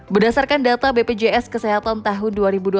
berdasarkan data bpjs kesehatan tahun dua ribu dua puluh